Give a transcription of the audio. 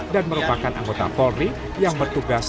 dan merupakan anggota polri yang bertugas